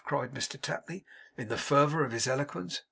cried Mr Tapley, in the fervour of his eloquence.